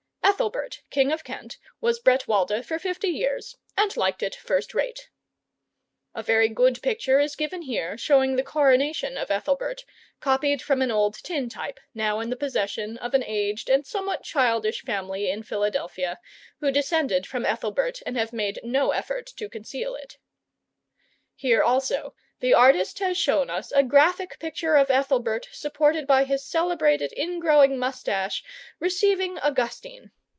Ethelbert, King of Kent, was Bretwalda for fifty years, and liked it first rate. [Illustration: AUGUSTINE KINDLY RECEIVED BY ETHELBERT, KING OF KENT.] A very good picture is given here showing the coronation of Ethelbert, copied from an old tin type now in the possession of an aged and somewhat childish family in Philadelphia who descended from Ethelbert and have made no effort to conceal it. Here also the artist has shown us a graphic picture of Ethelbert supported by his celebrated ingrowing moustache receiving Augustine.